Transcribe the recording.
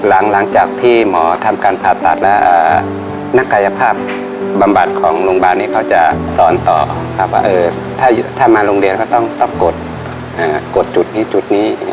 หลังจากที่หมอทำการผ่าตัดแล้วนักกายภาพบำบัดของโรงพยาบาลนี้เขาจะสอนต่อครับว่าถ้ามาโรงเรียนก็ต้องกดจุดนี้จุดนี้